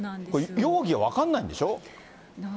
容疑は分からないんでしょ？